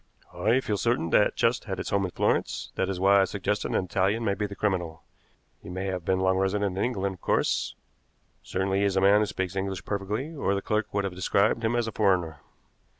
I feel certain that chest had its home in Florence; that is why I suggest an Italian may be the criminal. He may have been long resident in England, of course; certainly he is a man who speaks English perfectly, or the clerk would have described him as a foreigner."